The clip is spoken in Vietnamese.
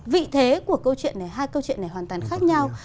vị thế của câu chuyện này hai câu chuyện này hoàn toàn khác nhau